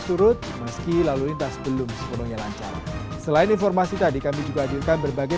surut meski lalu lintas belum sepenuhnya lancar selain informasi tadi kami juga hadirkan berbagai